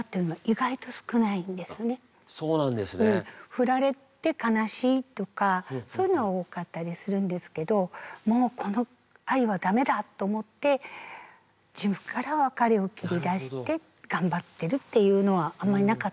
振られて悲しいとかそういうのは多かったりするんですけどもうこの愛はダメだと思って自分から別れを切り出して頑張ってるっていうのはあんまりなかったかもしれないですね。